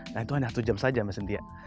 nah itu hanya satu jam saja mas ndiya